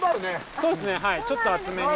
そうですねはいちょっと熱めに。